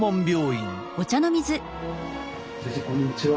先生こんにちは。